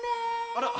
あら。